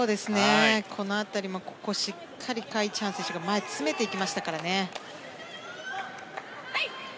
この辺りも、しっかりカ・イチハン選手が前に詰めてきましたからね。